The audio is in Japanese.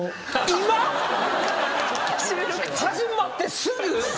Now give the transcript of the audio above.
始まってすぐ？